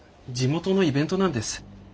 地元のイベントなんです。